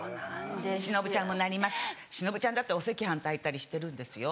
忍ちゃんもなります忍ちゃんだってお赤飯炊いたりしてるんですよ。